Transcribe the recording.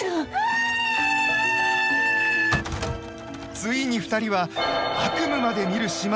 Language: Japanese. ついに２人は悪夢まで見る始末。